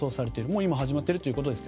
今始まっているということですが。